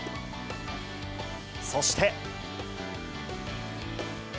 そして。